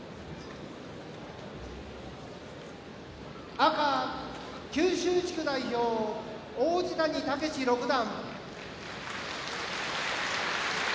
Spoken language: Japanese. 赤九州地区代表、王子谷剛志六段。